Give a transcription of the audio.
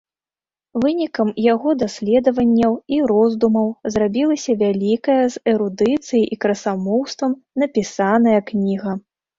Вынікам яго даследаванняў і роздумаў зрабілася вялікая, з эрудыцыяй і красамоўствам напісаная кніга.